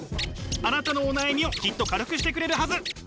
あなたのお悩みをきっと軽くしてくれるはず。